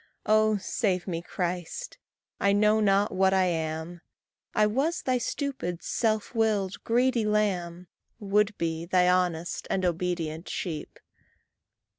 Oh, save me, Christ! I know not what I am, I was thy stupid, self willed, greedy lamb, Would be thy honest and obedient sheep.